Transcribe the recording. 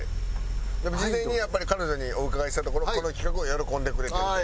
事前にやっぱり彼女さんにお伺いしたところこの企画を喜んでくれていると。